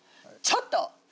ちょっと。